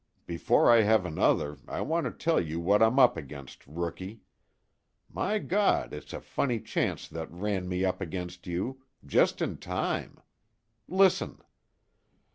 Before I have another I want to tell you what I'm up against, Rookie. My Gawd, it's a funny chance that ran me up against you just in time! Listen."